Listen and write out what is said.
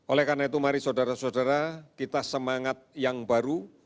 oleh karena itu mari saudara saudara kita semangat yang baru